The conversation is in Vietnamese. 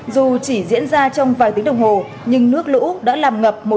dù chỉ diễn ra trong vài tiếng đồng hồ nhưng nước lũ đã làm ngập